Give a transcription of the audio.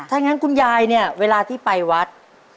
ถ้างั้นคุณยายเนี่ยเวลาที่ไปวัด